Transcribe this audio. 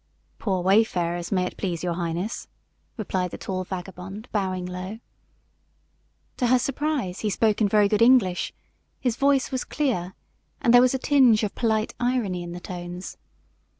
"Poor wayfarers, may it please your highness," replied the tall vagabond, bowing low. To her surprise he spoke in very good English; his voice was clear, and there was a tinge of polite irony in the tones.